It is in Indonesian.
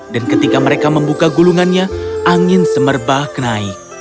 dan ketika mereka membuka gulungannya angin semerbah kenaik